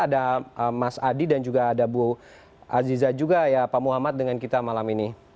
ada mas adi dan juga ada bu aziza juga ya pak muhammad dengan kita malam ini